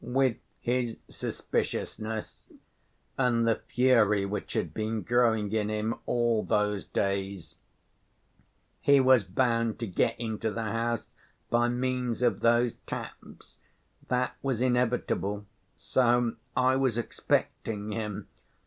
With his suspiciousness and the fury which had been growing in him all those days, he was bound to get into the house by means of those taps. That was inevitable, so I was expecting him."